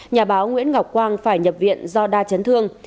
nhà báo nguyễn ngọc quang phải nhập viện do đa chấn thương